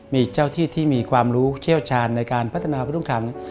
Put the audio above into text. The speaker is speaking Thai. มีเจ้าที่ที่มีความรู้เชี่ยวชาญในการพัฒนาผู้ต้องขัง